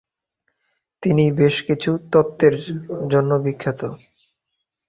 তিনি বেশকিছু তত্ত্বের জন্য বিখ্যাত।